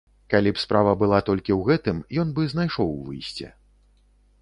Калі б справа была толькі ў гэтым, ён бы знайшоў выйсце.